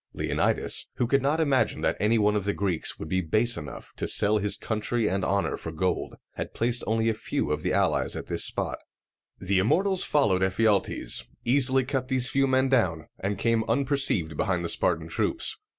Leonidas, who could not imagine that any one of the Greeks would be base enough to sell his country and honor for gold, had placed only a few of the allies at this spot. [Illustration: A Fighting Persian.] The Immortals followed Ephialtes, easily cut these few men down, and came unperceived behind the Spartan troops.